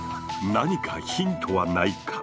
何かヒントはないか？